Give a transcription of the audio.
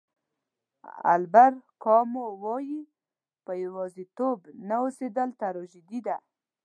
البر کامو وایي په یوازېتوب نه اوسېدل تراژیدي ده.